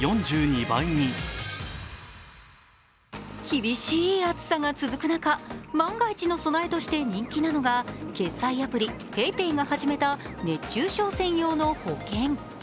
厳しい暑さが続く中、万が一の備えとして人気なのが決済アプリ・ＰａｙＰａｙが始めた熱中症専用の保険。